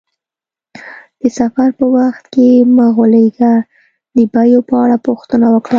د سفر په وخت کې مه غولیږه، د بیو په اړه پوښتنه وکړه.